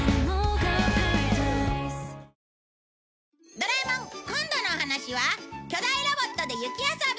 『ドラえもん』今度のお話は巨大ロボットで雪遊び